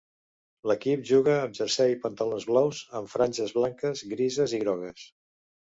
L'equip juga amb jersei i pantalons blaus amb franges blanques, grises i grogues.